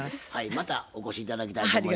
またお越し頂きたいと思います。